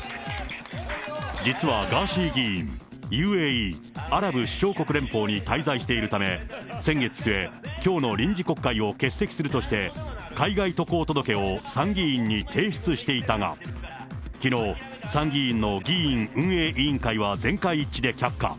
実はガーシー議員、ＵＡＥ・アラブ首長国連邦に滞在しているため、先月末、きょうの臨時国会を欠席するとして、海外渡航届を参議院に提出していたが、きのう、参議院の議院運営委員会は全会一致で却下。